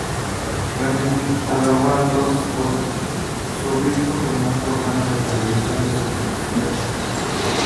Remedy alabó a "Lost" por su ritmo como un programa de televisión de suspenso.